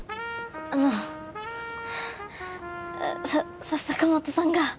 あのハァさ坂本さんが。